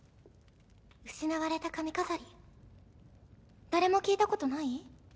失われた髪飾り誰も聞いたことない？